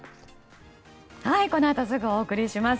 このあとすぐお送りします。